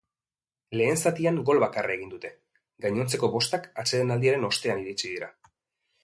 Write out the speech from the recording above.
Lehen zatia gol bakarra egin dute, gainontzeko bostak atsedenaldiaren ostean iritsi dira.